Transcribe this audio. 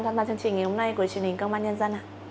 tham gia chương trình ngày hôm nay của truyền hình công an nhân dân